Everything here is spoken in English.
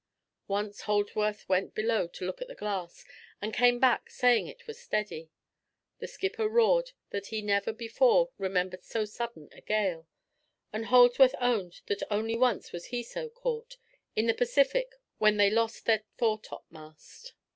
Once Holdsworth went below to look at the glass, and came back saying it was steady. The skipper roared that he never before remembered so sudden a gale, and Holdsworth owned that only once was he so caught—in the Pacific, when they lost their foretop mast.